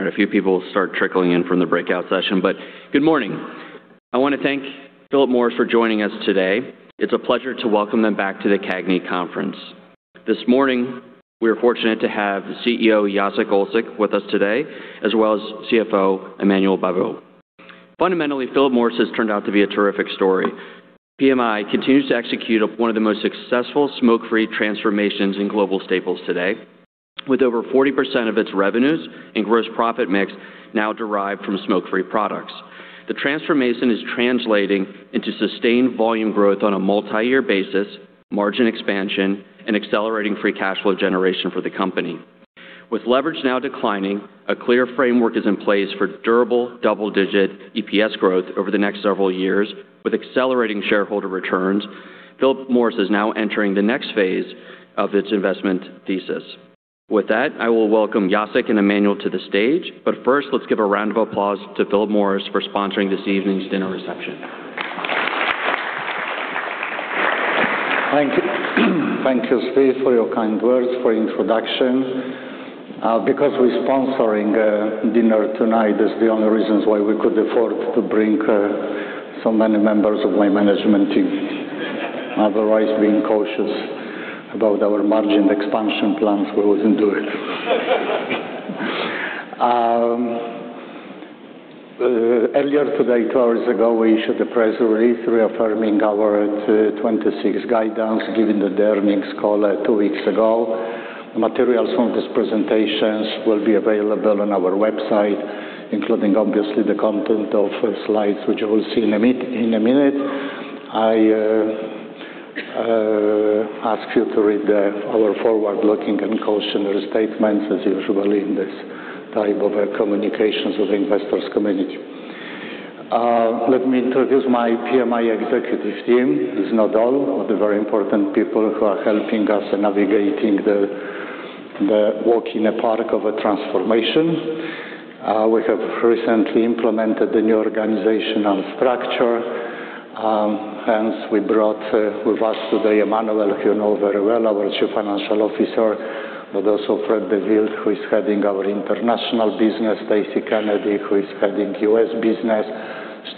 All right, a few people start trickling in from the breakout session, but good morning. I want to thank Philip Morris for joining us today. It's a pleasure to welcome them back to the CAGNY Conference. This morning, we are fortunate to have CEO Jacek Olczak with us today, as well as CFO Emmanuel Babeau. Fundamentally, Philip Morris has turned out to be a terrific story. PMI continues to execute one of the most successful smoke-free transformations in global staples today, with over 40% of its revenues and gross profit mix now derived from smoke-free products. The transformation is translating into sustained volume growth on a multi-year basis, margin expansion, and accelerating free cash flow generation for the company. With leverage now declining, a clear framework is in place for durable double-digit EPS growth over the next several years, with accelerating shareholder returns. Philip Morris is now entering the next phase of its investment thesis. With that, I will welcome Jacek and Emmanuel to the stage. But first, let's give a round of applause to Philip Morris for sponsoring this evening's dinner reception. Thank you. Thank you, Steve, for your kind words, for the introduction. Because we're sponsoring dinner tonight is the only reasons why we could afford to bring so many members of my management team. Otherwise, being cautious about our margin expansion plans, we wouldn't do it. Earlier today, two hours ago, we issued a press release reaffirming our 2026 guidelines, giving the earnings call two weeks ago. Materials from these presentations will be available on our website, including obviously the content of slides, which you will see in a minute. I ask you to read our forward-looking and cautionary statements, as usual in this type of communications with the investor community. Let me introduce my PMI executive team. It's not all of the very important people who are helping us in navigating the walk in a park of a transformation. We have recently implemented the new organizational structure. Hence we brought with us today, Emmanuel, who you know very well, our Chief Financial Officer, but also Frederic de Wilde, who is heading our international business, Stacey Kennedy, who is heading U.S. business,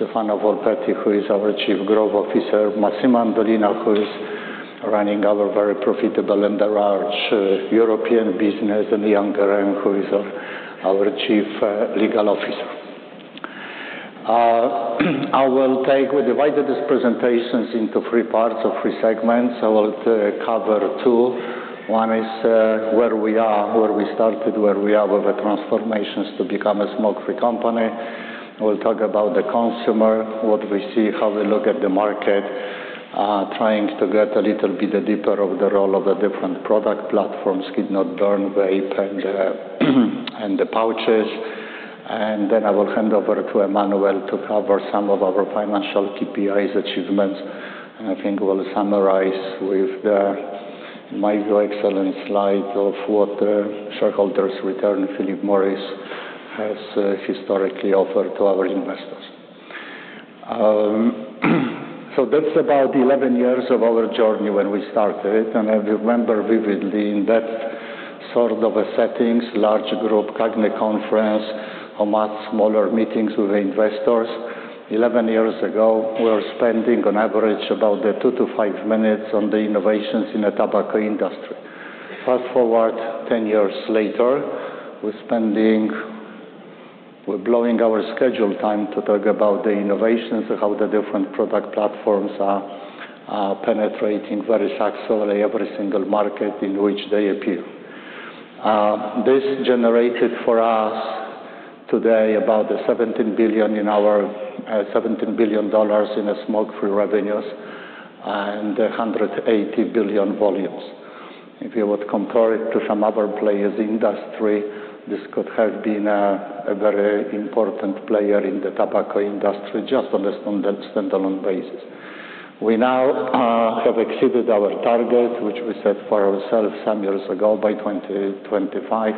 Stefano Volpetti, who is our Chief Growth Officer, Massimo Andolina, who is running our very profitable and large European business, and Yann Guérin, who is our Chief Legal Officer. I will take... We divided this presentations into three parts or three segments. I will cover two. One is where we are, where we started, where we are with the transformations to become a smoke-free company. We'll talk about the consumer, what we see, how we look at the market, trying to get a little bit deeper of the role of the different product platforms, heat-not-burn, vape, and the, and the pouches. And then I will hand over to Emmanuel to cover some of our financial KPIs achievements. And I think we'll summarize with, my very excellent slide of what, shareholders return Philip Morris has, historically offered to our investors. So that's about 11 years of our journey when we started, and I remember vividly in that sort of a setting, large group, CAGNY Conference, a much smaller meeting with the investors. 11 years ago, we were spending on average about the two-five minutes on the innovations in the tobacco industry. Fast forward 10 years later, we're spending—we're blowing our scheduled time to talk about the innovations and how the different product platforms are penetrating very successfully every single market in which they appear. This generated for us today about the $17 billion in our $17 billion in smoke-free revenues and 180 billion volumes. If you would compare it to some other players in industry, this could have been a very important player in the tobacco industry, just on a standard standalone basis. We now have exceeded our target, which we set for ourselves some years ago, by 2025,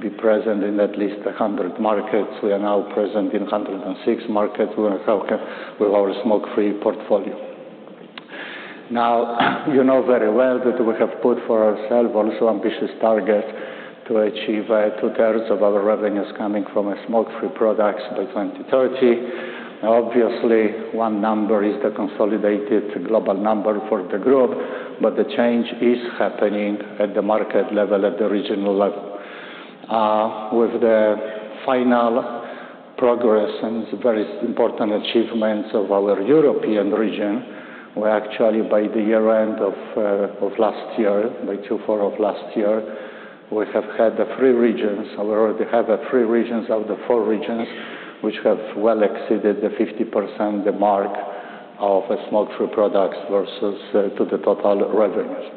be present in at least 100 markets. We are now present in 106 markets with our smoke-free portfolio. Now, you know very well that we have put for ourselves also ambitious target to achieve, 2/3 of our revenues coming from smoke-free products by 2030. Obviously, one number is the consolidated global number for the group, but the change is happening at the market level, at the regional level. With the final progress and very important achievements of our European region, we actually, by the year end of, of last year, by Q4 of last year, we have had the three regions. We already have the three regions of the four regions, which have well exceeded the 50%, the mark of smoke-free products versus, to the total revenues.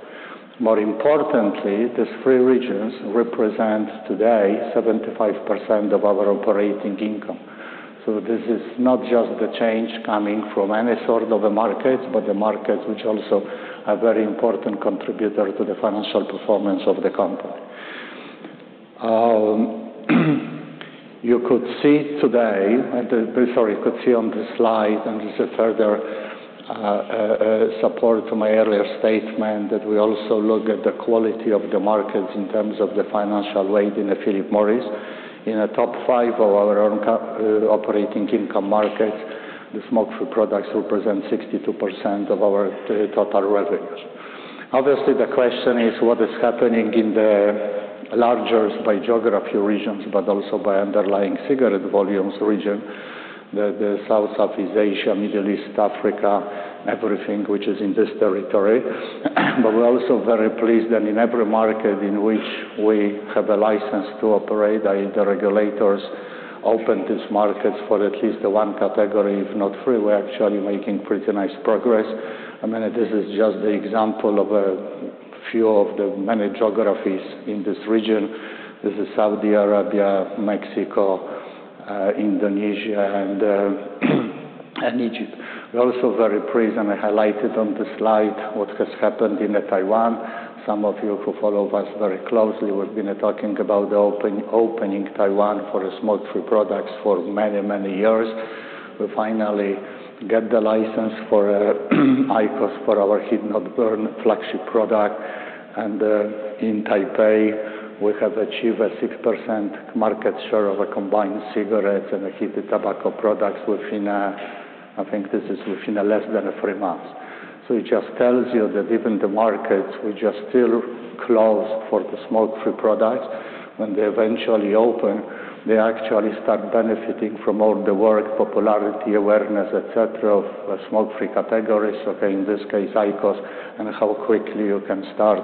More importantly, these three regions represent today 75% of our operating income. So this is not just the change coming from any sort of a market, but the market which also a very important contributor to the financial performance of the company. You could see today, you could see on the slide, and this is further support to my earlier statement that we also look at the quality of the markets in terms of the financial weight in the Philip Morris. In a top five of our own operating income markets, the smoke-free products represent 62% of our total revenues. Obviously, the question is what is happening in the larger by geography regions, but also by underlying cigarette volumes region, the South, Southeast Asia, Middle East, Africa, everything which is in this territory. We're also very pleased that in every market in which we have a license to operate, and the regulators open these markets for at least the one category, if not three, we're actually making pretty nice progress. I mean, this is just the example of a few of the many geographies in this region. This is Saudi Arabia, Mexico, Indonesia, and Egypt. We're also very pleased, and I highlighted on the slide, what has happened in the Taiwan. Some of you who follow us very closely, we've been talking about the opening Taiwan for a smoke-free products for many, many years. We finally get the license for IQOS, for our Heat-not-Burn flagship product. In Taipei, we have achieved a 6% market share of a combined cigarettes and a heated tobacco products within, I think this is within less than three months. So it just tells you that even the markets which are still closed for the smoke-free products, when they eventually open, they actually start benefiting from all the work, popularity, awareness, et cetera, of smoke-free categories. Okay, in this case, IQOS, and how quickly you can start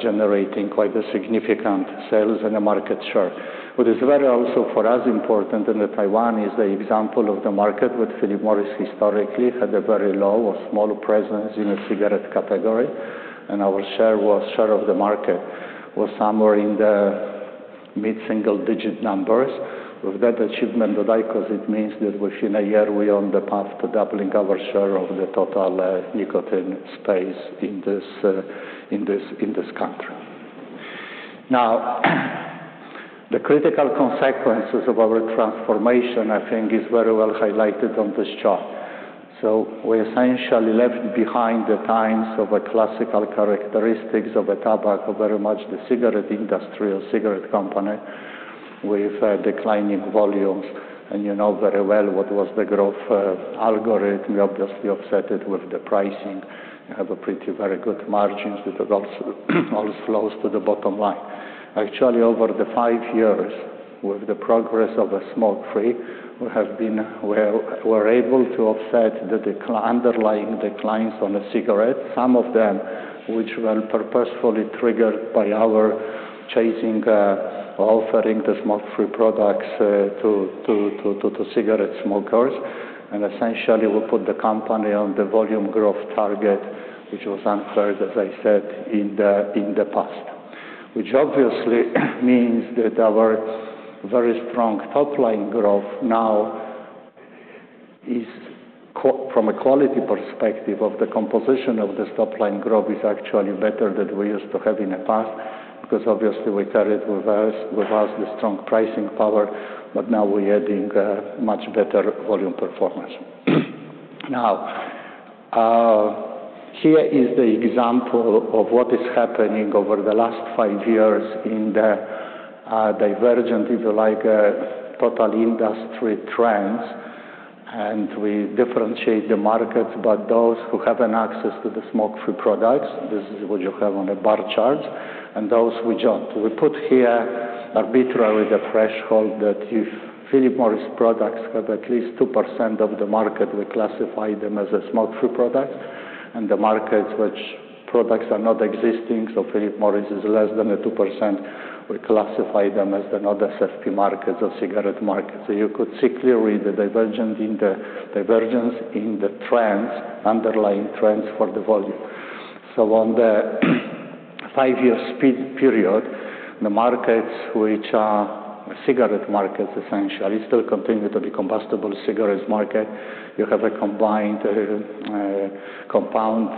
generating quite a significant sales and a market share. What is very also, for us, important in Taiwan is the example of the market with Philip Morris historically had a very low or small presence in a cigarette category, and our share of the market was somewhere in the mid-single-digit numbers. With that achievement, with IQOS, it means that within a year, we're on the path to doubling our share of the total, nicotine space in this country. Now, the critical consequences of our transformation, I think, is very well highlighted on this chart. So we essentially left behind the times of a classical characteristics of a tobacco, very much the cigarette industry or cigarette company, with declining volumes. And you know very well what was the growth, algorithm. We obviously offset it with the pricing. We have a pretty very good margins, which are also close to the bottom line. Actually, over the five years, with the progress of a smoke-free, we're able to offset the underlying declines on the cigarettes, some of them which were purposefully triggered by our chasing, offering the smoke-free products to cigarette smokers. And essentially, we put the company on the volume growth target, which was answered, as I said, in the past. Which obviously means that our very strong top-line growth now is from a quality perspective of the composition of this top-line growth, is actually better than we used to have in the past, because obviously we carried with us the strong pricing power, but now we're adding a much better volume performance. Now, here is the example of what is happening over the last five years in the divergent, if you like, total industry trends, and we differentiate the markets, but those who have access to the smoke-free products. This is what you have on a bar chart, and those who don't. We put here arbitrarily the threshold that if Philip Morris products have at least 2% of the market, we classify them as a smoke-free product, and the markets which products are not existing, so Philip Morris is less than 2%, we classify them as another SFP market or cigarette market. So you could see clearly the divergence in the trends, underlying trends for the volume. So on the five-year CAGR, the markets which are cigarette markets, essentially, still continue to be combustible cigarettes market. You have a combined, compound,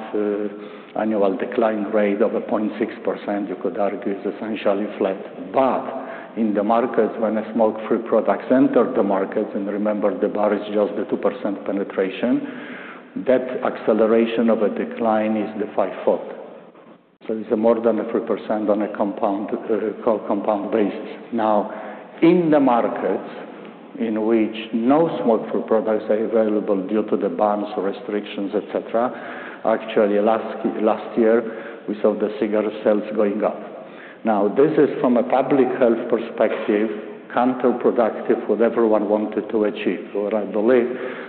annual decline rate of 0.6%. You could argue it's essentially flat. But in the markets, when a smoke-free product entered the market, and remember, the bar is just the 2% penetration, that acceleration of a decline is the five-fold. So it's more than 3% on a compound, compound basis. Now, in the markets in which no smoke-free products are available due to the bans or restrictions, et cetera, actually, last year, we saw the cigarette sales going up. Now, this is, from a public health perspective, counterproductive what everyone wanted to achieve. So I believe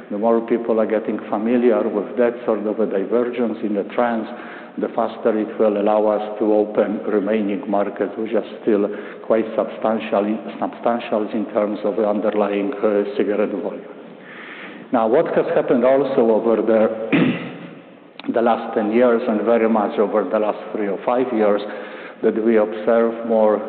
the more people are getting familiar with that sort of a divergence in the trends, the faster it will allow us to open remaining markets, which are still quite substantial in terms of the underlying, cigarette volume. Now, what has happened also over the last 10 years, and very much over the last three or five years, that we observe more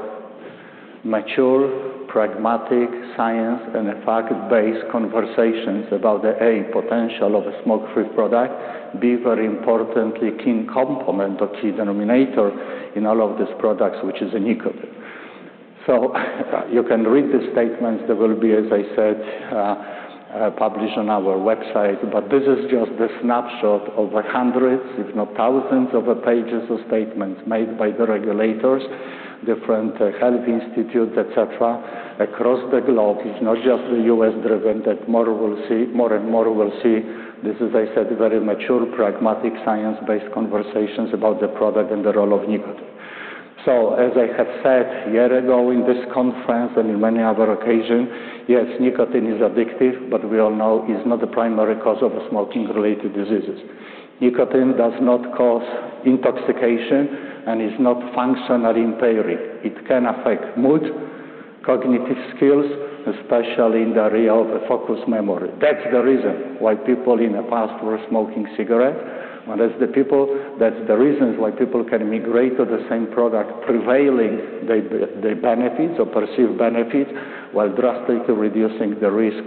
mature, pragmatic, science- and fact-based conversations about the A, potential of a smoke-free product, B, very importantly, key component or key denominator in all of these products, which is nicotine. So you can read the statements. They will be, as I said, published on our website, but this is just the snapshot of the hundreds, if not thousands, of pages of statements made by the regulators, different health institutes, et cetera, across the globe. It's not just the U.S.-driven; more and more will see. This is, as I said, very mature, pragmatic, science-based conversations about the product and the role of nicotine. As I have said a year ago in this conference and in many other occasions, yes, nicotine is addictive, but we all know it's not the primary cause of smoking-related diseases. Nicotine does not cause intoxication and is not functionally impairing. It can affect mood, cognitive skills, especially in the real focus, memory. That's the reason why people in the past were smoking cigarettes, and that's the reasons why people can migrate to the same product, prevailing the benefits or perceived benefits, while drastically reducing the risk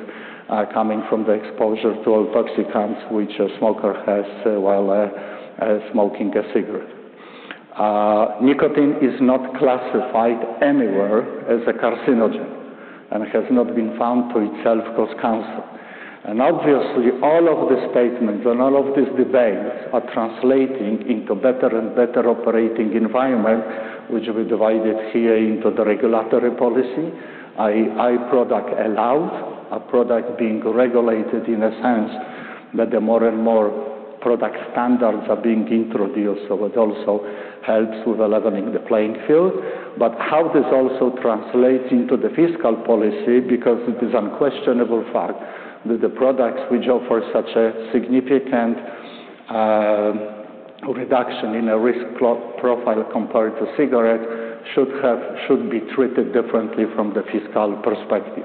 coming from the exposure to all toxicants, which a smoker has while smoking a cigarette. Nicotine is not classified anywhere as a carcinogen and has not been found to itself cause cancer. Obviously, all of the statements and all of these debates are translating into better and better operating environment, which we divided here into the regulatory policy, i.e., HTP product allowed, a product being regulated in a sense that the more and more product standards are being introduced. So it also helps with leveling the playing field. But how this also translates into the fiscal policy, because it is unquestionable fact that the products which offer such a significant reduction in a risk profile compared to cigarette, should be treated differently from the fiscal perspective.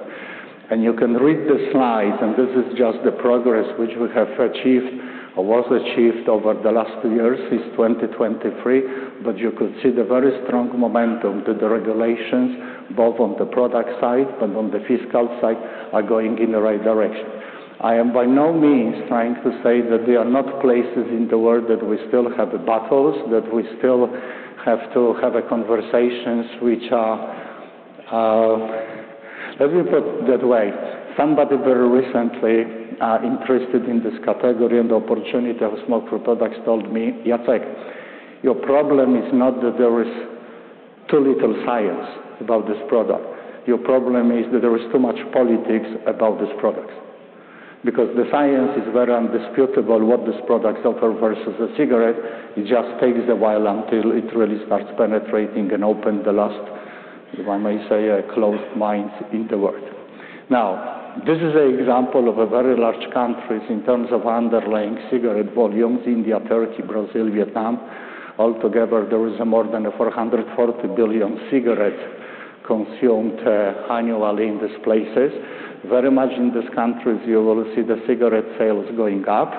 And you can read the slides, and this is just the progress which we have achieved or was achieved over the last two years, since 2023. But you could see the very strong momentum that the regulations, both on the product side and on the fiscal side, are going in the right direction. I am by no means trying to say that there are not places in the world that we still have battles, that we still have to have conversations which are... Let me put it that way. Somebody very recently interested in this category and the opportunity of smoke-free products, told me, "Jacek, your problem is not that there is too little science about this product. Your problem is that there is too much politics about these products." Because the science is very indisputable what these products offer versus a cigarette. It just takes a while until it really starts penetrating and open the last, if I may say, closed minds in the world. Now, this is an example of very large countries in terms of underlying cigarette volumes: India, Turkey, Brazil, Vietnam. Altogether, there is more than 440 billion cigarettes consumed annually in these places. Very much in these countries, you will see the cigarette sales going up,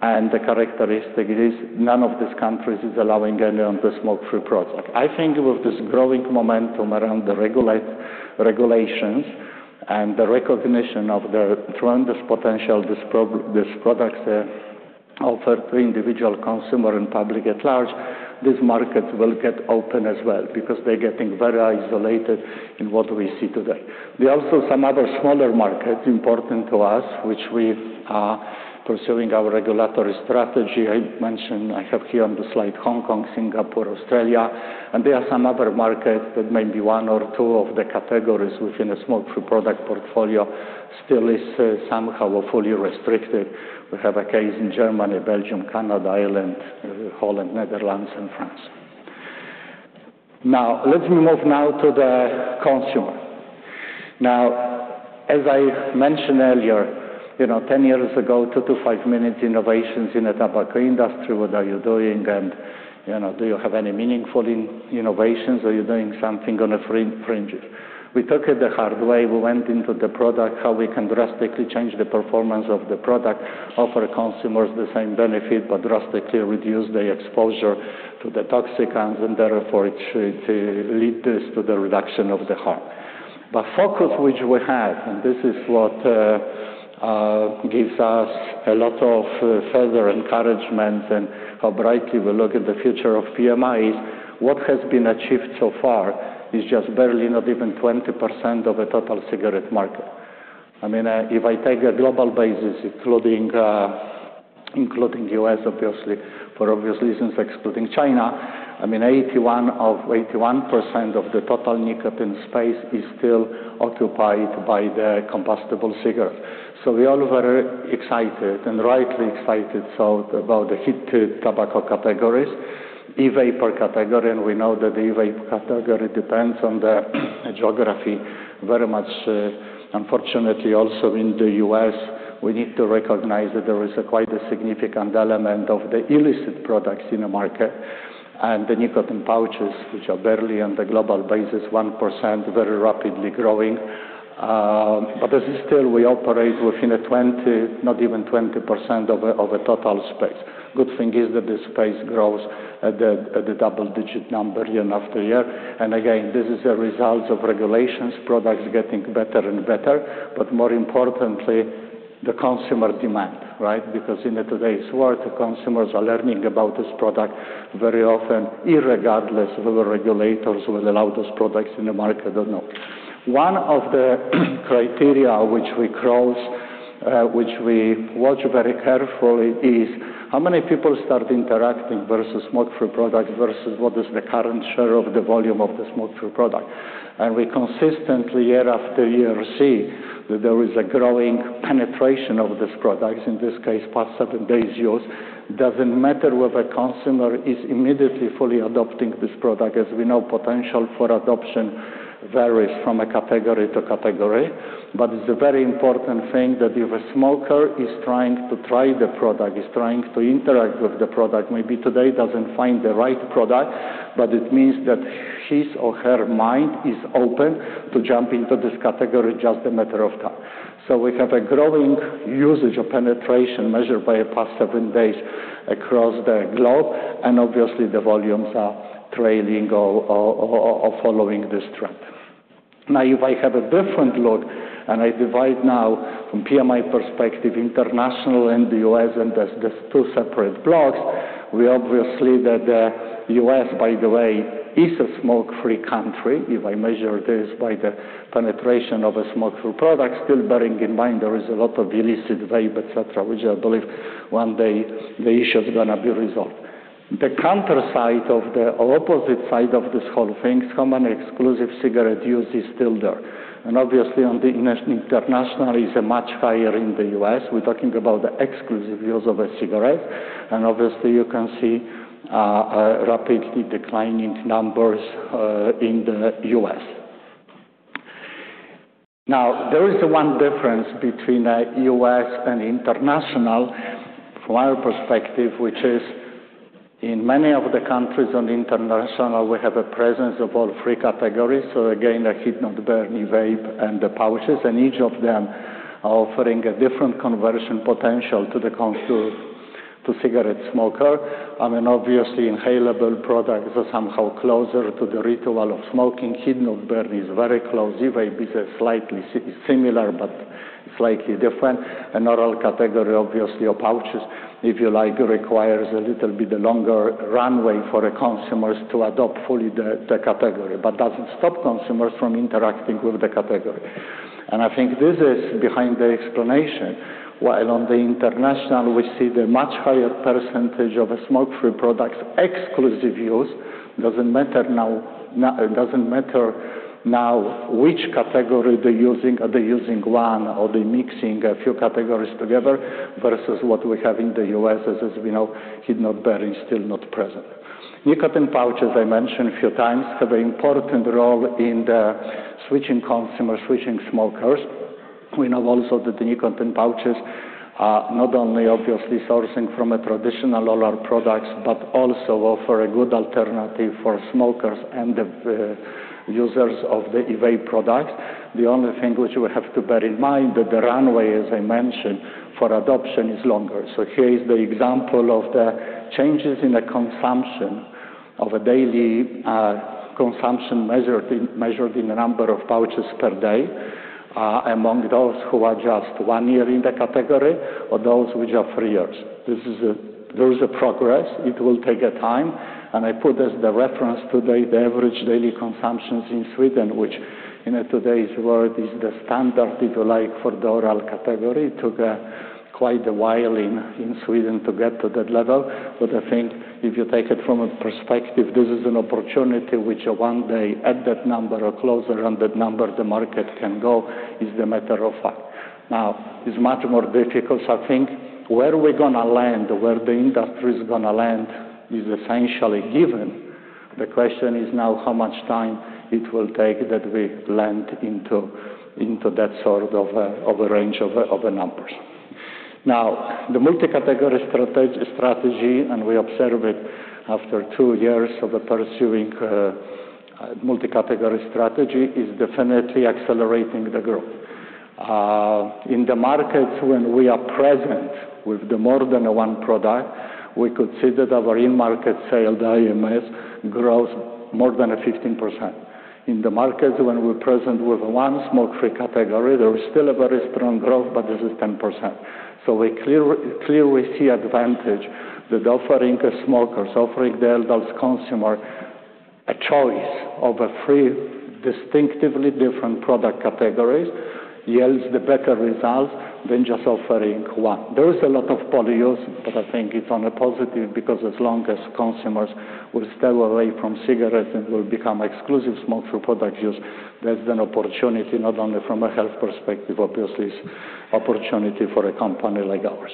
and the characteristic is none of these countries is allowing anyone to smoke-free product. I think with this growing momentum around the regulations and the recognition of the tremendous potential these products offer to individual consumer and public at large, these markets will get open as well because they're getting very isolated in what we see today. There are also some other smaller markets important to us, which we are pursuing our regulatory strategy. I mentioned, I have here on the slide, Hong Kong, Singapore, Australia, and there are some other markets that maybe one or two of the categories within a smoke-free product portfolio still is somehow fully restricted. We have a case in Germany, Belgium, Canada, Ireland, Holland, Netherlands, and France. Now, let me move now to the consumer. Now, as I mentioned earlier, you know, 10 years ago, two-five-minute innovations in the tobacco industry, what are you doing? And, you know, do you have any meaningful innovations, or you're doing something on a fringe? We took it the hard way. We went into the product, how we can drastically change the performance of the product, offer consumers the same benefit, but drastically reduce the exposure to the toxicants, and therefore, it should lead this to the reduction of the harm. The focus which we have, and this is what gives us a lot of further encouragement and how brightly we look at the future of PMI, is what has been achieved so far is just barely not even 20% of the total cigarette market. I mean, if I take a global basis, including U.S., obviously, for obvious reasons, excluding China, I mean, 81% of the total nicotine space is still occupied by the combustible cigarettes. So we're all very excited, and rightly excited, so about the heated tobacco categories, e-vapor category, and we know that the e-vape category depends on the geography very much. Unfortunately, also in the U.S., we need to recognize that there is quite a significant element of the illicit products in the market and the nicotine pouches, which are barely on the global basis, 1%, very rapidly growing. But this is still we operate within a 20, not even 20% of a, of a total space. Good thing is that the space grows at the, at the double-digit number year after year. And again, this is a result of regulations, products getting better and better. But more importantly... the consumer demand, right? Because in today's world, the consumers are learning about this product very often, regardless of the regulators will allow those products in the market or not. One of the criteria which we cross, which we watch very carefully is how many people start interacting versus smoke-free products versus what is the current share of the volume of the smoke-free product. And we consistently, year after year, see that there is a growing penetration of this product, in this case, past seven days use. Doesn't matter whether a consumer is immediately fully adopting this product. As we know, potential for adoption varies from a category to category. But it's a very important thing that if a smoker is trying to try the product, is trying to interact with the product, maybe today doesn't find the right product, but it means that his or her mind is open to jump into this category, just a matter of time. So we have a growing usage or penetration measured by past seven days across the globe, and obviously, the volumes are trailing or following this trend. Now, if I have a different look and I divide now from PMI perspective, international and the U.S., and that's just two separate blocks, we obviously that the U.S., by the way, is a smoke-free country. If I measure this by the penetration of a smoke-free product, still bearing in mind there is a lot of illicit vape, et cetera, which I believe one day the issue is going to be resolved. The counter side of the or opposite side of this whole thing, how many exclusive cigarette use is still there? And obviously, on the internationally is a much higher in the U.S.. We're talking about the exclusive use of a cigarette, and obviously, you can see a rapidly declining numbers in the U.S. Now, there is one difference between the U.S. and international, from our perspective, which is in many of the countries on the international, we have a presence of all three categories. So again, a heat-not-burn, vape, and the pouches, and each of them are offering a different conversion potential to the cigarette smoker. I mean, obviously, inhalable products are somehow closer to the ritual of smoking. Heat-not-burn is very close. Vape is slightly similar, but slightly different. And oral category, obviously, or pouches, if you like, requires a little bit longer runway for the consumers to adopt fully the category, but doesn't stop consumers from interacting with the category. And I think this is behind the explanation. While on the international, we see the much higher percentage of a smoke-free products exclusive use. Doesn't matter now, no—it doesn't matter now which category they're using. Are they using one or they're mixing a few categories together versus what we have in the U.S., as we know, heat-not-burn is still not present. Nicotine pouches, I mentioned a few times, have a important role in the switching consumer, switching smokers. We know also that the nicotine pouches are not only obviously sourcing from a traditional oral products, but also offer a good alternative for smokers and the users of the e-vape products. The only thing which you have to bear in mind, that the runway, as I mentioned, for adoption is longer. So here is the example of the changes in the consumption of a daily consumption, measured in the number of pouches per day, among those who are just one year in the category or those which are three years. This is. There is a progress. It will take a time, and I put as the reference today, the average daily consumptions in Sweden, which in today's world is the standard, if you like, for the oral category. It took quite a while in Sweden to get to that level, but I think if you take it from a perspective, this is an opportunity which one day at that number or closer on that number, the market can go is the matter of fact. Now, it's much more difficult to think where we're going to land or where the industry is going to land is essentially given. The question is now, how much time it will take that we land into that sort of a range of numbers? Now, the multi-category strategy, and we observe it after two years of the pursuing a multi-category strategy, is definitely accelerating the growth. In the markets when we are present with more than one product, we could see that our in-market sale, the IMS, grows more than 15%. In the markets when we're present with one smoke-free category, there is still a very strong growth, but this is 10%. So we clearly, clearly see the advantage that offering smokers, offering the adult consumer a choice of three distinctively different product categories yields the better results than just offering one. There is a lot of polyuse, but I think it's a positive because as long as consumers will stay away from cigarettes and will become exclusive smoke-free product use, there's an opportunity, not only from a health perspective, obviously, it's an opportunity for a company like ours.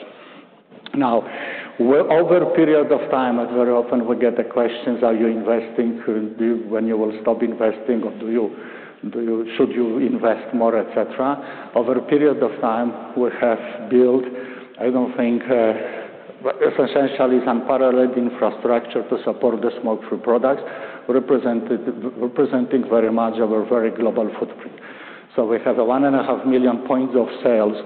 Now, over a period of time, and very often we get the questions: Are you investing? When will you stop investing, or do you should you invest more, et cetera? Over a period of time, we have built, I think, essentially, some unparalleled infrastructure to support the smoke-free products, representing very much a very global footprint. So we have 1.5 million points of sales,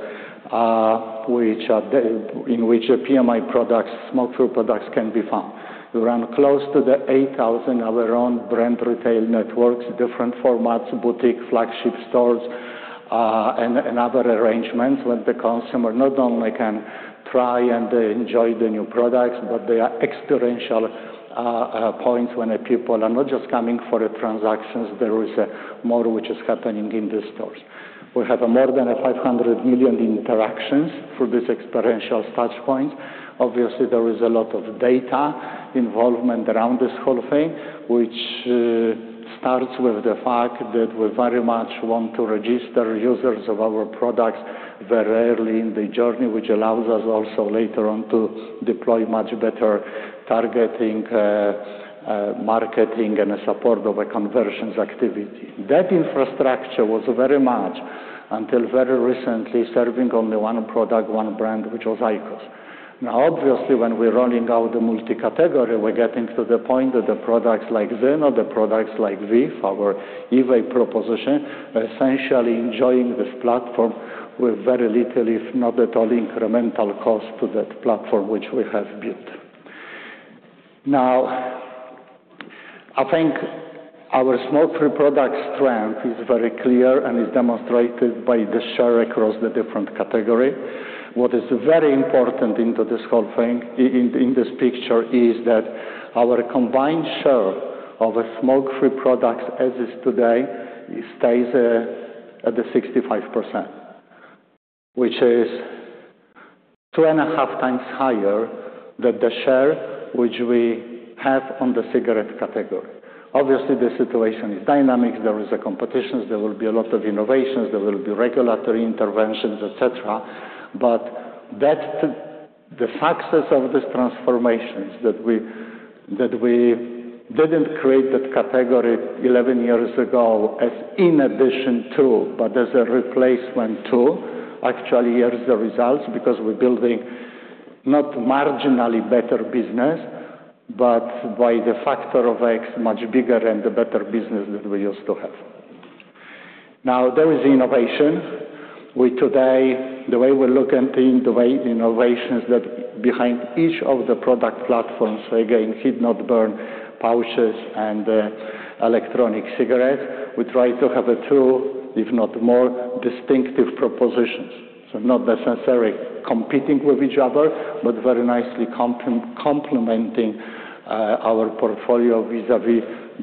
which are in which PMI products, smoke-free products can be found. We run close to 8,000 of our own brand retail networks, different formats, boutique, flagship stores, and other arrangements, when the consumer not only can try and enjoy the new products, but they are experiential points when the people are not just coming for the transactions, there is a more which is happening in the stores. We have more than 500 million interactions through this experiential touchpoint. Obviously, there is a lot of data involvement around this whole thing, which starts with the fact that we very much want to register users of our products very early in the journey, which allows us also later on to deploy much better targeting, marketing and support of a conversions activity. That infrastructure was very much, until very recently, serving only one product, one brand, which was IQOS. Now, obviously, when we're rolling out the multi-category, we're getting to the point that the products like ZYN, the products like VEEV, our VEEV proposition, are essentially enjoying this platform with very little, if not at all, incremental cost to that platform which we have built. Now, I think our smoke-free product strength is very clear and is demonstrated by the share across the different category. What is very important into this whole thing, in this picture, is that our combined share of smoke-free products as is today, it stays at the 65%, which is 2.5 times higher than the share which we have on the cigarette category. Obviously, the situation is dynamic. There is a competition. There will be a lot of innovations, there will be regulatory interventions, et cetera. But that the success of these transformations that we, that we didn't create that category 11 years ago as in addition to, but as a replacement to, actually, here are the results, because we're building not marginally better business, but by the factor of X, much bigger and the better business than we used to have. Now, there is innovation. We today, the way we're looking at the innovations that behind each of the product platforms, again, heat-not-burn, pouches and electronic cigarettes, we try to have two, if not more, distinctive propositions. So not necessarily competing with each other, but very nicely complementing our portfolio vis-à-vis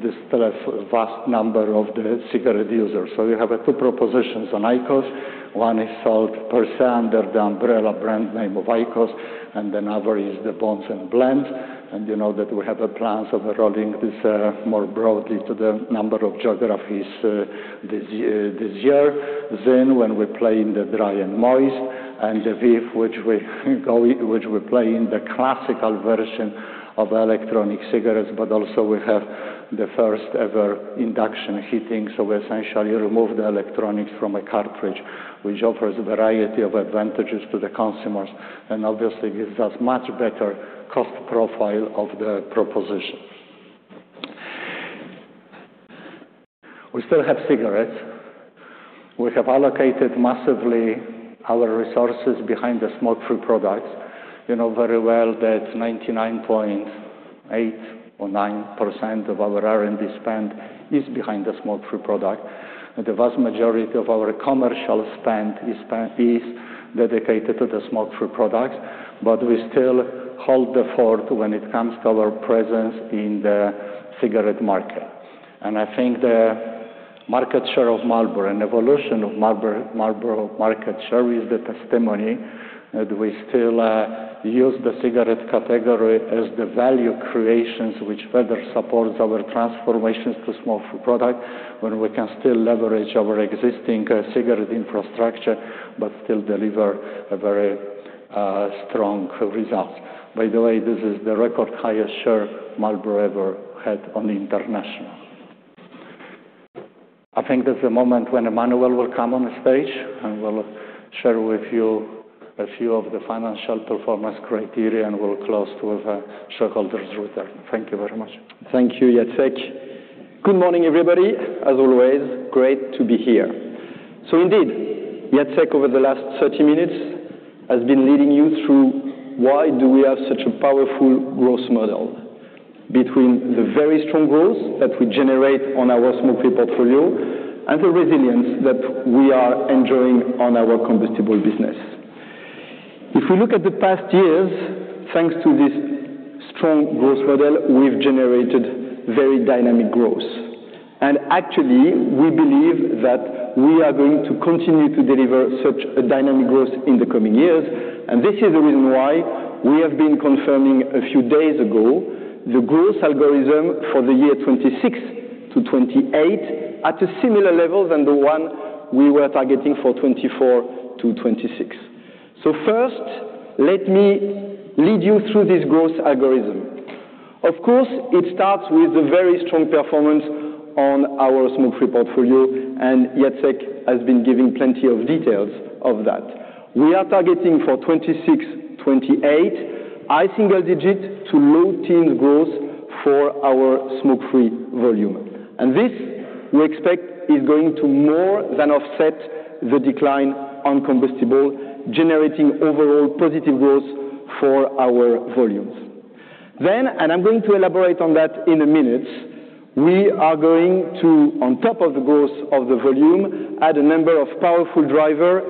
this vast number of the cigarette users. So we have two propositions on IQOS. One is sold per se, under the umbrella brand name of IQOS, and another is the BONDS and BLENDS. And you know that we have plans of rolling this more broadly to the number of geographies this year, this year. Then, when we play in the dry and moist, and the VEEV, which we go... Which we play in the classical version of electronic cigarettes, but also we have the first-ever induction heating, so we essentially remove the electronics from a cartridge, which offers a variety of advantages to the consumers, and obviously, gives us much better cost profile of the proposition. We still have cigarettes. We have allocated massively our resources behind the smoke-free products. You know very well that 99.8% or 99.9% of our R&D spend is behind the smoke-free product, and the vast majority of our commercial spend is spent- is dedicated to the smoke-free products. But we still hold the fort when it comes to our presence in the cigarette market. I think the market share of Marlboro and evolution of Marlboro, Marlboro market share is the testimony that we still use the cigarette category as the value creations, which further supports our transformations to smoke-free product, when we can still leverage our existing cigarette infrastructure, but still deliver a very strong results. By the way, this is the record highest share Marlboro ever had on international. I think this is the moment when Emmanuel will come on the stage and will share with you a few of the financial performance criteria, and we'll close with our shareholders with that. Thank you very much. Thank you, Jacek. Good morning, everybody. As always, great to be here. So indeed, Jacek, over the last 30 minutes, has been leading you through why do we have such a powerful growth model? Between the very strong growth that we generate on our smoke-free portfolio and the resilience that we are enjoying on our combustible business. If we look at the past years, thanks to this strong growth model, we've generated very dynamic growth. Actually, we believe that we are going to continue to deliver such a dynamic growth in the coming years, and this is the reason why we have been confirming a few days ago, the growth algorithm for the year 2026-2028, at a similar level than the one we were targeting for 2024-2026. First, let me lead you through this growth algorithm. Of course, it starts with a very strong performance on our smoke-free portfolio, and Jacek has been giving plenty of details of that. We are targeting for 2026, 2028, high single digit to low teen growth for our smoke-free volume. And this, we expect, is going to more than offset the decline on combustible, generating overall positive growth for our volumes. Then, and I'm going to elaborate on that in a minute, we are going to, on top of the growth of the volume, add a number of powerful driver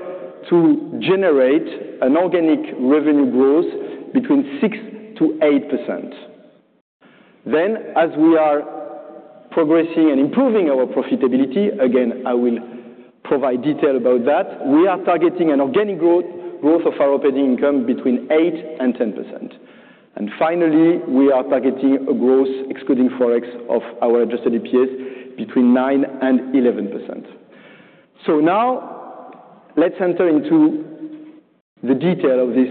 to generate an organic revenue growth between 6%-8%. Then, as we are progressing and improving our profitability, again, I will provide detail about that, we are targeting an organic growth, growth of our operating income between 8%-10%. Finally, we are targeting a growth excluding Forex of our adjusted EPS between 9%-11%. So now, let's enter into the detail of this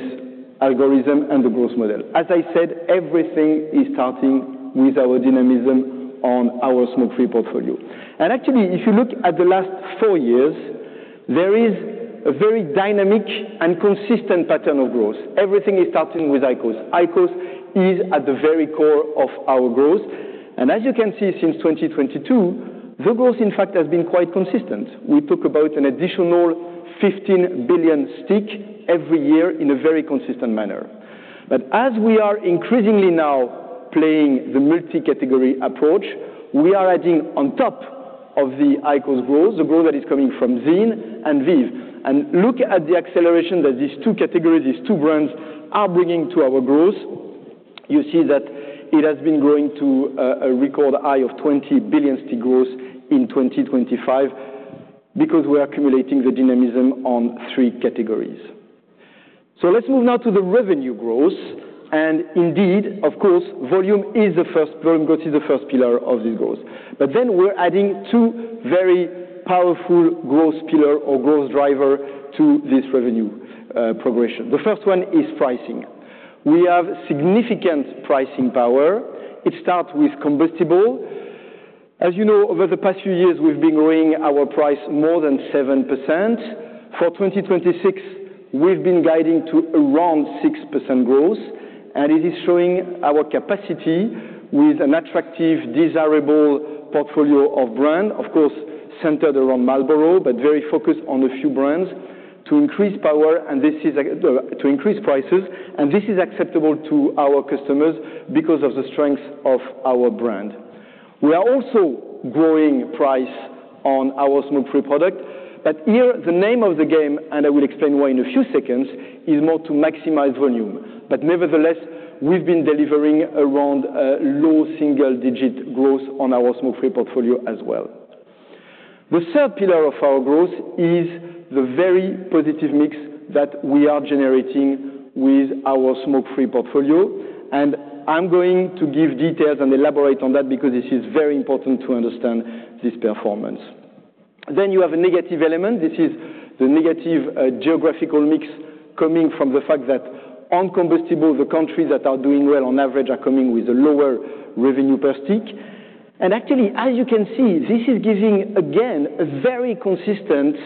algorithm and the growth model. As I said, everything is starting with our dynamism on our smoke-free portfolio. Actually, if you look at the last four years, there is a very dynamic and consistent pattern of growth. Everything is starting with IQOS. IQOS is at the very core of our growth, and as you can see, since 2022, the growth, in fact, has been quite consistent. We talk about an additional 15 billion sticks every year in a very consistent manner. But as we are increasingly now playing the multi-category approach, we are adding on top of the IQOS growth, the growth that is coming from VEEV. Look at the acceleration that these two categories, these two brands, are bringing to our growth. You see that it has been growing to a record high of 20 billion stick growth in 2025, because we are accumulating the dynamism on three categories. So let's move now to the revenue growth. And indeed, of course, volume is the first, volume growth is the first pillar of this growth. But then we're adding two very powerful growth pillar or growth driver to this revenue progression. The first one is pricing. We have significant pricing power. It starts with combustible. As you know, over the past few years, we've been growing our price more than 7%. For 2026, we've been guiding to around 6% growth, and it is showing our capacity with an attractive, desirable portfolio of brand, of course, centered around Marlboro, but very focused on a few brands, to increase power, and this is to increase prices, and this is acceptable to our customers because of the strength of our brand. We are also growing price on our smoke-free product, but here, the name of the game, and I will explain why in a few seconds, is more to maximize volume. But nevertheless, we've been delivering around a low single-digit growth on our smoke-free portfolio as well. The third pillar of our growth is the very positive mix that we are generating with our smoke-free portfolio, and I'm going to give details and elaborate on that because this is very important to understand this performance. Then you have a negative element. This is the negative geographical mix coming from the fact that on combustible, the countries that are doing well on average are coming with a lower revenue per stick. And actually, as you can see, this is giving, again, a very consistent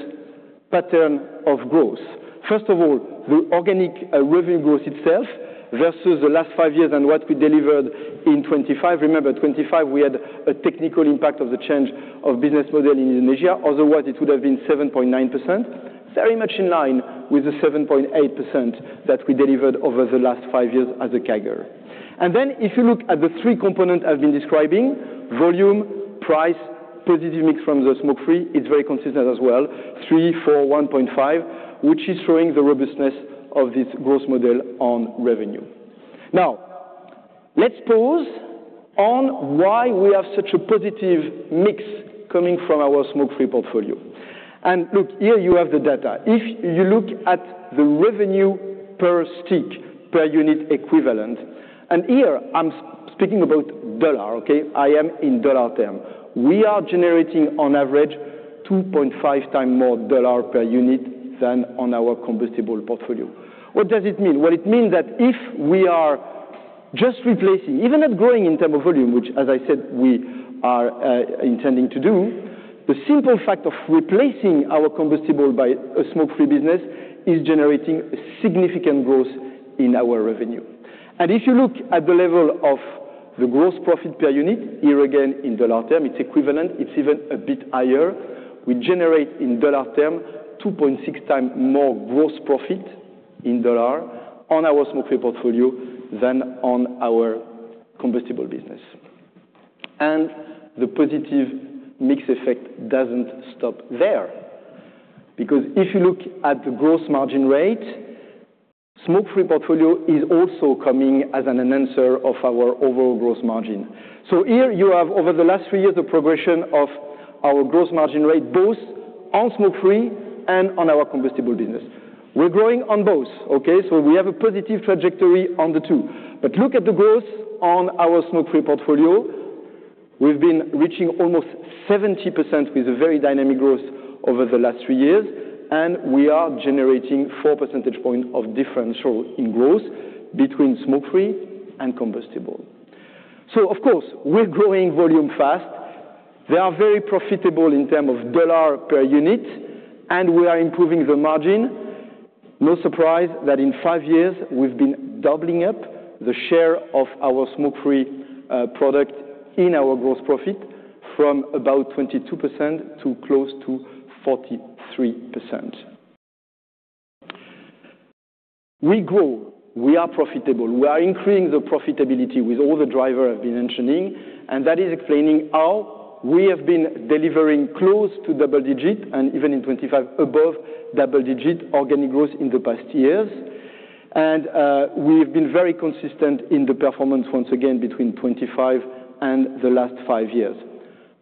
pattern of growth. First of all, the organic revenue growth itself versus the last five years and what we delivered in 2025. Remember, 2025, we had a technical impact of the change of business model in Indonesia. Otherwise, it would have been 7.9%, very much in line with the 7.8% that we delivered over the last five years as a CAGR. And then, if you look at the three components I've been describing, volume, price, positive mix from the smoke-free, it's very consistent as well. 3.4, 1.5, which is showing the robustness of this growth model on revenue. Now, let's pause on why we have such a positive mix coming from our smoke-free portfolio. Look, here you have the data. If you look at the revenue per stick, per unit equivalent, and here I'm speaking about dollar, okay? I am in dollar terms. We are generating on average, 2.5 times more dollar per unit than on our combustible portfolio. What does it mean? Well, it means that if we are just replacing, even not growing in terms of volume, which, as I said, we are, intending to do, the simple fact of replacing our combustible by a smoke-free business is generating a significant growth in our revenue. If you took at the level of the gross profit per unit, here again, in dollar terms, it's equivalent, it's even a bit higher. We generate in dollar terms, 2.6 times more gross profit in dollar on our smoke-free portfolio than on our combustible business. The positive mix effect doesn't stop there, because if you look at the gross margin rate, smoke-free portfolio is also coming as an enhancer of our overall gross margin. Here you have, over the last three years, the progression of our gross margin rate, both on smoke-free and on our combustible business. We're growing on both, okay? We have a positive trajectory on the two. Look at the growth on our smoke-free portfolio. We've been reaching almost 70% with a very dynamic growth over the last three years, and we are generating four percentage points of differential in growth between smoke-free and combustible. So of course, we're growing volume fast... They are very profitable in terms of $ per unit, and we are improving the margin. No surprise that in five years, we've been doubling up the share of our smoke-free product in our gross profit from about 22% to close to 43%. We grow, we are profitable. We are increasing the profitability with all the driver I've been mentioning, and that is explaining how we have been delivering close to double-digit and even in 2025, above double-digit organic growth in the past years. We've been very consistent in the performance once again between 2025 and the last five years.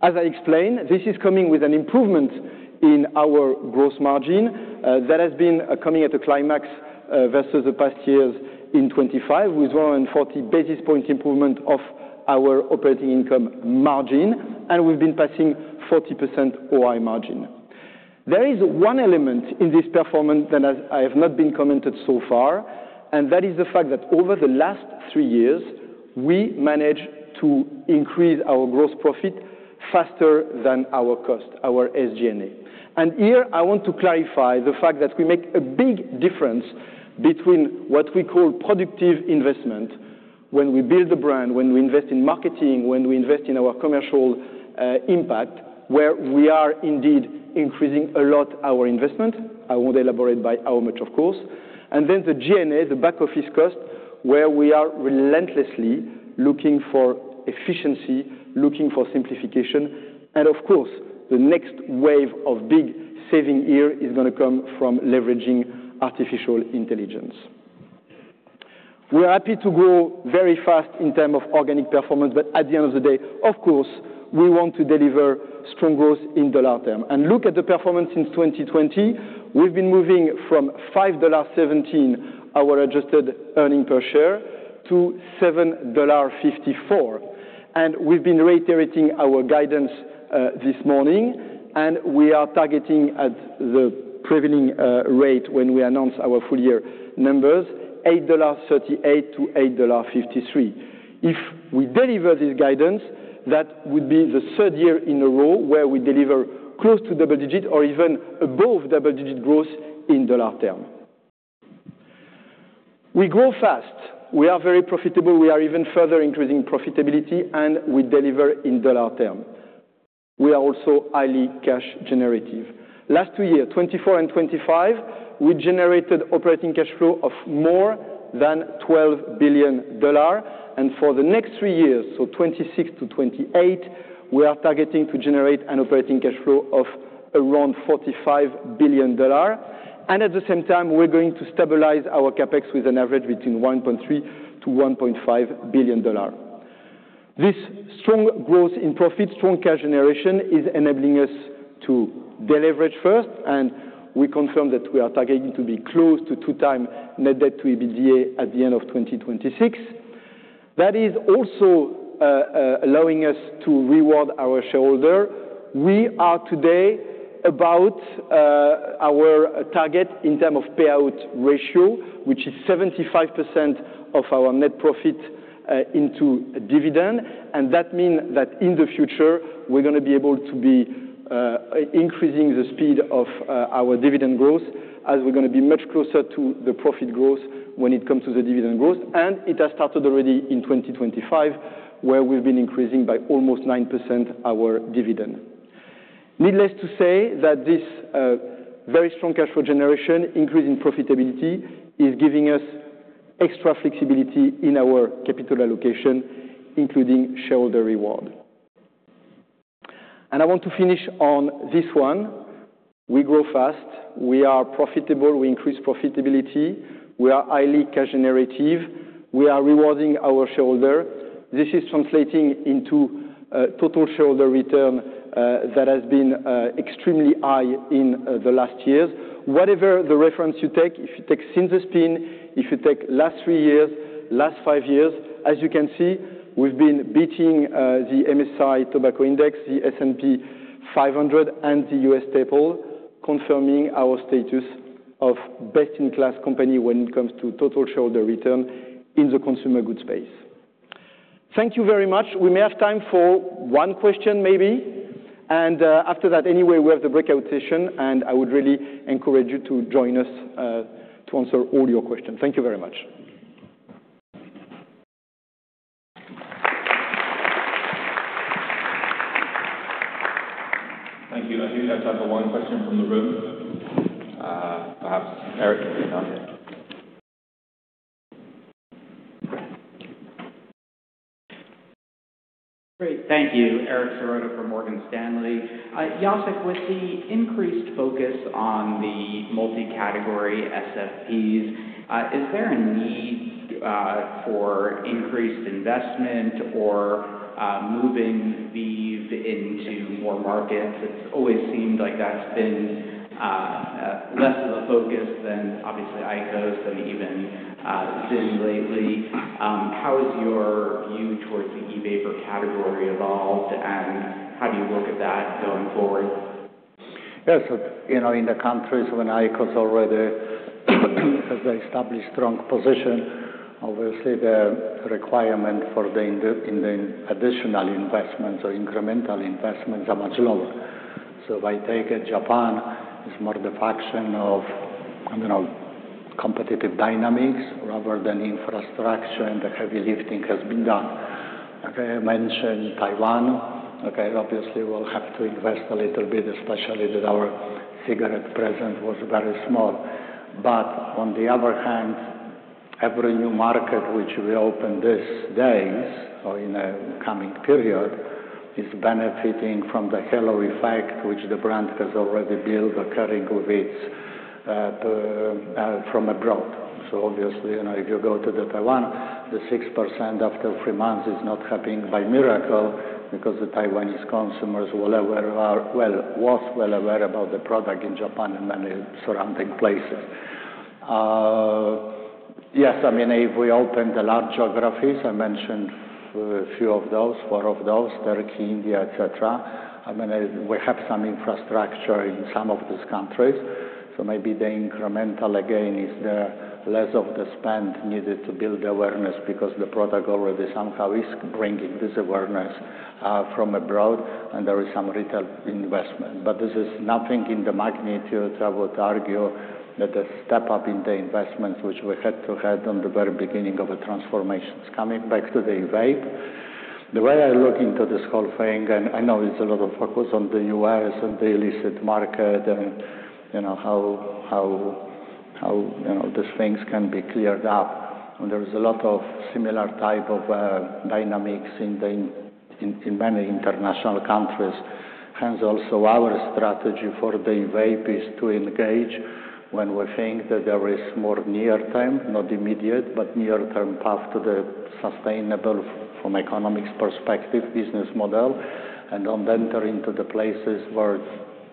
As I explained, this is coming with an improvement in our gross margin, that has been coming at a climax, versus the past years in 25, with more than 40 basis point improvement of our operating income margin, and we've been passing 40% OI margin. There is one element in this performance that has... I have not been commented so far, and that is the fact that over the last three years, we managed to increase our gross profit faster than our cost, our SG&A. Here I want to clarify the fact that we make a big difference between what we call productive investment. When we build the brand, when we invest in marketing, when we invest in our commercial, impact, where we are indeed increasing a lot our investment. I won't elaborate by how much, of course. And then the G&A, the back-office cost, where we are relentlessly looking for efficiency, looking for simplification, and of course, the next wave of big saving here is gonna come from leveraging artificial intelligence. We are happy to grow very fast in terms of organic performance, but at the end of the day, of course, we want to deliver strong growth in dollar terms. Look at the performance since 2020, we've been moving from $5.17, our adjusted earnings per share, to $7.54. We've been reiterating our guidance this morning, and we are targeting at the prevailing rate when we announce our full-year numbers, $8.38-$8.53. If we deliver this guidance, that would be the third year in a row where we deliver close to double-digit or even above double-digit growth in dollar terms. We grow fast, we are very profitable, we are even further increasing profitability, and we deliver in dollar terms. We are also highly cash generative. Last two years, 2024 and 2025, we generated operating cash flow of more than $12 billion, and for the next three years, so 2026 to 2028, we are targeting to generate an operating cash flow of around $45 billion. At the same time, we're going to stabilize our CapEx with an average between $1.3 billion-$1.5 billion. This strong growth in profit, strongecash generation, is enabling us to deleverage first, and we confirm that we are targeting to be close to 2x net debt to EBITDA at the end of 2026. That is also allowing us to reward our shareholder. We are today about our target in term of payout ratio, which is 75% of our net profit into dividend, and that mean that in the future we're gonna be able to be increasing the speed of our dividend growth as we're gonna be much closer to the profit growth when it comes to the dividend growth. And it has started already in 2025, where we've been increasing by almost 9% our dividend. Needless to say, that this, very strong cash flow generation, increasing profitability, is giving us extra flexibility in our capital allocation, including shareholder reward. And I want to finish on this one. We grow fast, we are profitable, we increase profitability, we are highly cash generative, we are rewarding our shareholder. This is translating into, total shareholder return, that has been, extremely high in, the last years. Whatever the reference you take, if you take since the spin, if you take last three years, last five years, as you can see, we've been beating, the MSCI Tobacco Index, the S&P 500, and the U.S. Staple, confirming our status of best-in-class company when it comes to total shareholder return in the consumer goods space. Thank you very much. We may have time for one question maybe, and, after that, anyway, we have the breakout session, and I would really encourage you to join us, to answer all your questions. Thank you very much. Thank you. I think I have time for one question from the room. Perhaps Eric? Great. Thank you. Eric Serotta from Morgan Stanley. Jacek, with the increased focus on the multi-category SFPs, is there a need for increased investment or moving VEEV into more markets? It's always seemed like that's been less of a focus than obviously IQOS and even Vuse lately. How has your view towards the e-vapor category evolved, and how do you look at that going forward?... Yes, you know, in the countries when IQOS already has established strong position, obviously, the requirement for the additional investments or incremental investments are much lower. So if I take Japan, it's more the function of, I don't know, competitive dynamics rather than infrastructure, and the heavy lifting has been done. Okay, I mentioned Taiwan. Okay, obviously, we'll have to invest a little bit, especially that our cigarette presence was very small. But on the other hand, every new market which we open these days or in a coming period is benefiting from the halo effect, which the brand has already built a carrying with its from abroad. So obviously, you know, if you go to Taiwan, the 6% after three months is not happening by miracle because the Taiwanese consumers were aware of our—well, were well aware about the product in Japan and many surrounding places. Yes, I mean, if we open the large geographies, I mentioned a few of those, 4 of those, Turkey, India, etc. I mean, we have some infrastructure in some of these countries, so maybe the incremental again is the less of the spend needed to build awareness because the product already somehow is bringing this awareness from abroad and there is some retail investment. But this is nothing in the magnitude I would argue that a step up in the investments, which we had to have on the very beginning of the transformation. Coming back to the vape, the way I look into this whole thing, and I know it's a lot of focus on the U.S. and the illicit market and, you know, how you know, these things can be cleared up. And there is a lot of similar type of dynamics in many international countries. Hence, also, our strategy for the vape is to engage when we think that there is more near term, not immediate, but near-term path to the sustainable from economics perspective, business model, and don't enter into the places where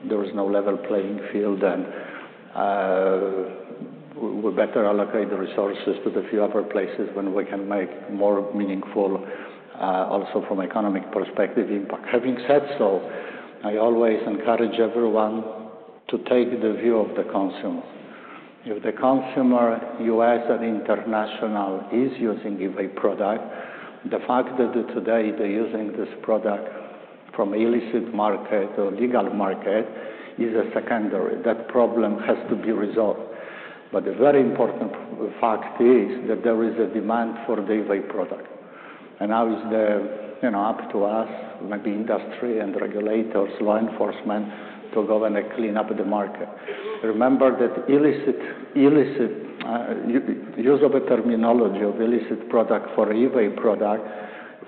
there is no level playing field. And, we better allocate the resources to the few other places when we can make more meaningful, also from economic perspective impact. Having said so, I always encourage everyone to take the view of the consumer. If the consumer, U.S. and international, is using a vape product, the fact that today they're using this product from illicit market or legal market is a secondary. That problem has to be resolved. But the very important fact is that there is a demand for the vape product, and now it's the, you know, up to us, maybe industry and regulators, law enforcement, to go and clean up the market. Remember that illicit, illicit, use of a terminology of illicit product for vape product,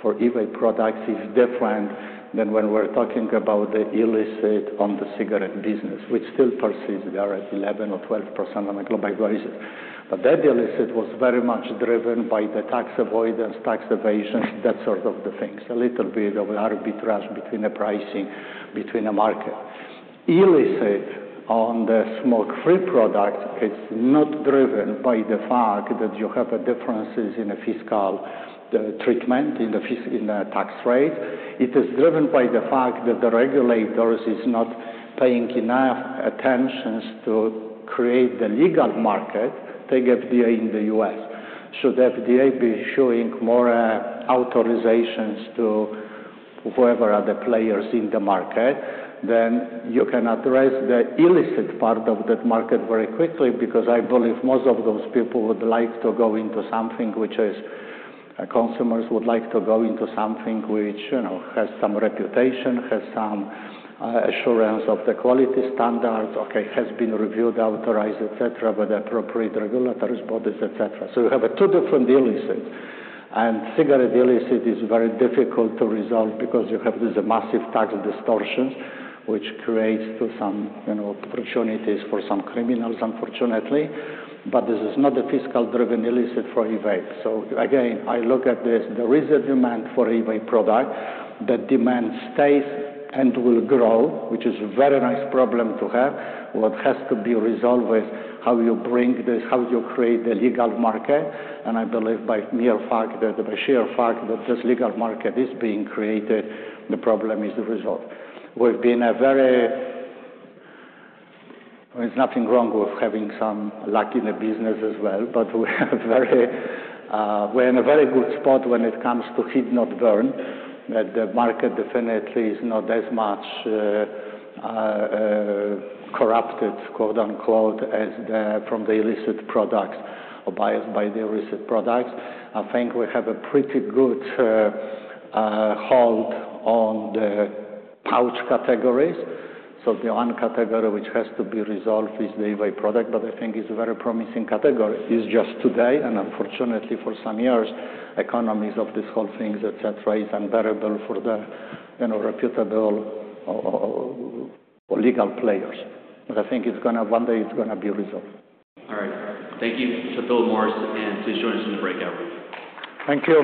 for vape products is different than when we're talking about the illicit on the cigarette business, which still persists. We are at 11 or 12% on a global basis. But that illicit was very much driven by the tax avoidance, tax evasion, that sort of the things, a little bit of arbitrage between the pricing between the market. Illicit on the smoke-free product is not driven by the fact that you have a differences in the fiscal treatment, in the tax rate. It is driven by the fact that the regulators is not paying enough attention to create the legal market, take the FDA in the U.S. Should the FDA be showing more authorizations to whoever are the players in the market, then you can address the illicit part of that market very quickly, because I believe most of those people would like to go into something which is... Consumers would like to go into something which, you know, has some reputation, has some assurance of the quality standard, okay, has been reviewed, authorized, et cetera, by the appropriate regulatory bodies, et cetera. So you have two different illicit, and cigarette illicit is very difficult to resolve because you have this massive tax distortion, which creates to some, you know, opportunities for some criminals, unfortunately. But this is not a fiscal-driven illicit for vape. So again, I look at this, there is a demand for a vape product. That demand stays and will grow, which is a very nice problem to have. What has to be resolved is how you bring this, how you create the legal market, and I believe by mere fact, that the sheer fact that this legal market is being created, the problem is resolved. We've been a very. There's nothing wrong with having some luck in the business as well, but we have very, we're in a very good spot when it comes to heat-not-burn. That the market definitely is not as much corrupted, quote-unquote, "as the from the illicit products or biased by the illicit products." I think we have a pretty good hold on the pouch categories. So the one category which has to be resolved is the vape product, but I think it's a very promising category. It's just today, and unfortunately for some years, economies of this whole thing, et cetera, is unbearable for the, you know, reputable or legal players. But I think it's gonna one day, it's gonna be resolved. All right. Thank you to Philip Morris, and please join us in the breakout room. Thank you.